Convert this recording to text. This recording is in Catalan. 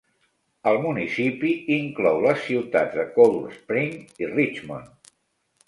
El municipi inclou les ciutats de Cold Spring i Richmond.